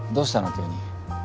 急に。